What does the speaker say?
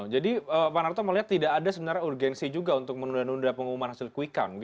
jadi pak narto melihat tidak ada sebenarnya urgensi juga untuk menunda nunda pengumuman hasil quick count gitu